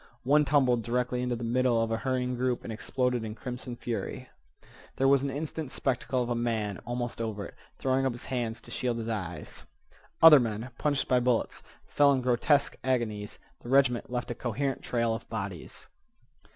One tumbled directly into the middle of a hurrying group and exploded in crimson fury. There was an instant spectacle of a man, almost over it, throwing up his hands to shield his eyes. Other men, punched by bullets, fell in grotesque agonies. The regiment left a coherent trail of bodies.